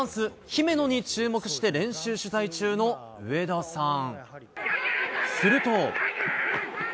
姫野に注目して練習取材中の上田さん。